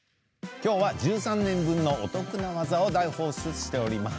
今日は１３年分のお得な技を大放出しております。